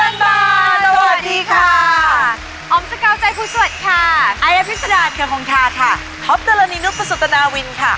ในอภิษฐานเกือบของชาคค่ะท็อปเตอร์ละนินุปสุตนาวินค่ะ